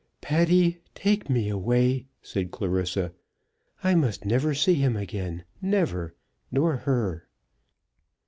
"Patty, take me away," said Clarissa. "I must never see him again, never! nor her."